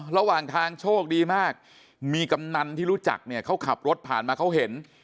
ระหว่างทางโชคดีมากมีกำนันที่รู้จักเนี่ยเขาขับรถผ่านมาเขาเห็น